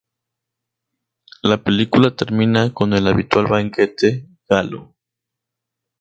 La película termina con el habitual banquete galo.